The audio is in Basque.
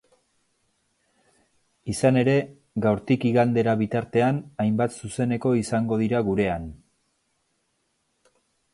Izan ere, gaurtik igandera bitartean hainbat zuzeneko izango dira gurean.